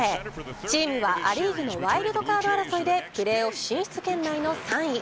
チームはア・リーグのワイルドカード争いでプレーオフ進出圏内の３位。